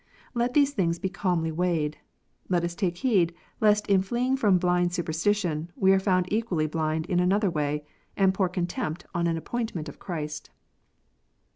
Let these things be calmly weighed. Let us take heed, lest in fleeing from blind superstition, we are found equally blind in another way, and pour contempt on an appointment of Christ.